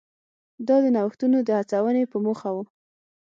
دا د نوښتونو د هڅونې په موخه و.